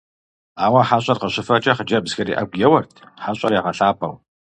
Ауэ хьэщӀэр къыщыфэкӀэ хъыджэбзхэри Ӏэгу еуэрт, хьэщӀэр ягъэлъапӀэу.